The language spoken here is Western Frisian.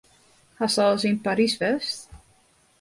Hast al ris yn Parys west?